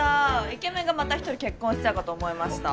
イケメンがまた１人結婚しちゃうかと思いました。